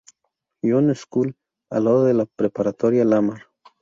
John's School, al lado de la preparatoria Lamar.